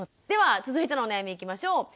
では続いてのお悩みいきましょう。